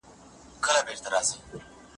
چې په باران کې لوند شي